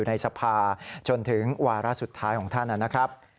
ในสภาจนถึงวาระสุดท้ายของท่านนะครับ